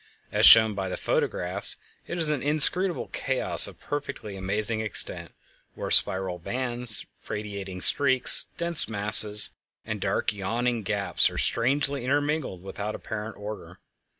As shown by the photographs, it is an inscrutable chaos of perfectly amazing extent, where spiral bands, radiating streaks, dense masses, and dark yawning gaps are strangely intermingled without apparent order.